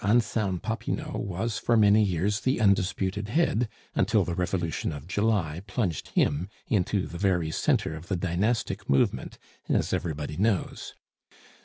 Anselme Popinot was for many years the undisputed head, until the Revolution of July plunged him into the very centre of the dynastic movement, as everybody knows.